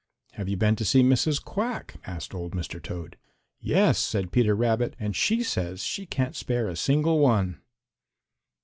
"Have you been to see Mrs. Quack?" asked old Mr. Toad. "Yes," said Peter Rabbit, "and she says she can't spare a single one."